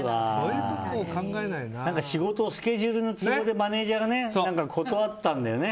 仕事、スケジュールの都合でマネジャーが断ったんだよね。